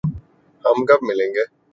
ہم کب ملیں گے؟